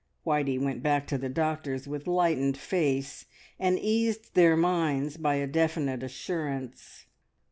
Whitey went back to the doctors with lightened face, and eased their minds by a definite assurance.